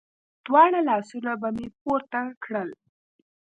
دواړه لاسونه به مې پورته کړل.